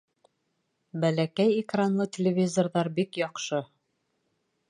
Бәләкәй экранлы телевизорҙар бик яҡшы